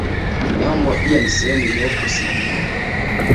Unyambwa pia ni sehemu iliyoko Singida